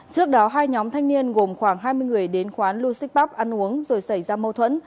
trước đó hai nhóm thanh niên gồm khoảng hai mươi người đến quán lusik pub ăn uống rồi xảy ra mâu thuẫn